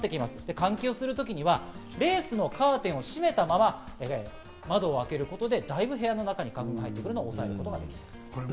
換気をする時はレースのカーテンを閉めたまま窓を開けることで、だいぶ部屋の中に花粉が入ってくるのを抑えることができる。